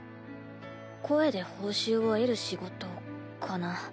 声で報酬を得る仕事かな。